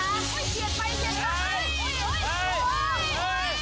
เลย